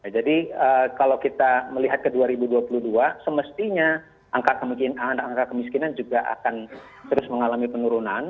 jadi kalau kita melihat ke dua ribu dua puluh dua semestinya angka kemiskinan juga akan terus mengalami penurunan